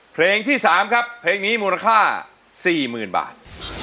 เพลงที่๓ครับเพลงนี้มูลค่า๔๐๐๐บาท